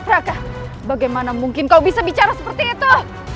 praka bagaimana mungkin kau bisa bicara seperti itu